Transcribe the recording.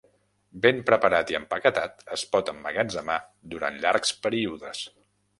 Ben preparat i empaquetat es pot emmagatzemar durant llargs períodes.